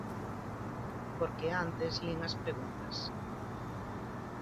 Porque antes lin as preguntas.